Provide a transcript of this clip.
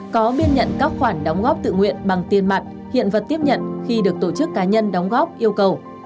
có biên nhận các khoản đóng góp tự nguyện bằng tiền mặt hiện vật tiếp nhận khi được tổ chức cá nhân đóng góp yêu cầu